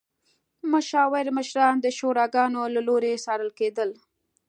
مشاور مشران د شوراګانو له لوري څارل کېدل.